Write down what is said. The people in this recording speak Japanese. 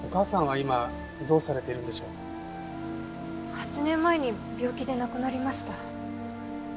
８年前に病気で亡くなりました。